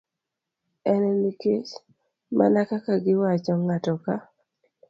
En nikech, mana kaka giwacho, ng'ato ka